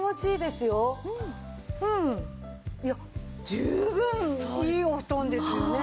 十分いいお布団ですよね。